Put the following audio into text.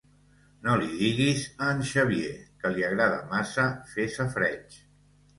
No li diguis a en Xavier, que li agrada massa fer safareig.